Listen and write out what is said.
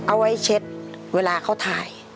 เอาไว้เช็ดเวลาเขาถ่าย